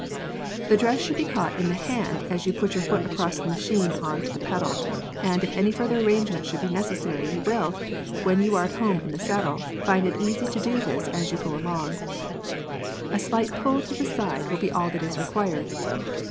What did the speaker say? p> The dress should be caught in the hand as you put your foot across the machine on to the pedal, and if any further arrangement should be necessary you will, when you are at home in the saddle, find it easy to do this as you go along. A slight pull to the side will be all that is required.